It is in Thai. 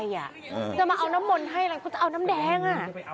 จะมาเอาน้ำมนต์ให้อะไรคุณจะเอาน้ำแดง